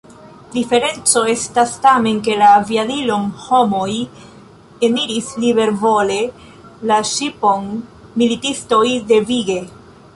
Diferenco estas tamen, ke la aviadilon homoj eniris libervole, la ŝipon militistoj devige.